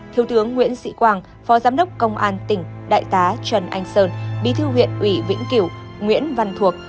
thiếu tướng nguyễn sĩ quang phó giám đốc công an tỉnh đại tá trần anh sơn bí thư huyện ủy vĩnh cửu nguyễn văn thuộc